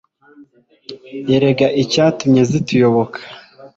erega icyatumye zituyoboka